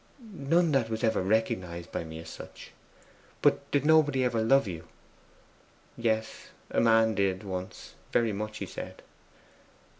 'None that was ever recognized by me as such.' 'But did nobody ever love you?' 'Yes a man did once; very much, he said.